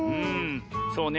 そうね。